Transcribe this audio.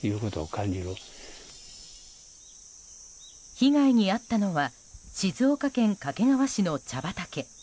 被害に遭ったのは静岡県掛川市の茶畑。